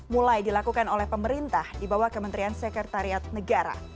mulai dilakukan oleh pemerintah di bawah kementerian sekretariat negara